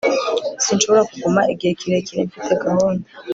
sinshobora kuguma igihe kirekire. mfite gahunda